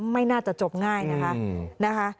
ไม่น่าจะจบง่ายนะคะ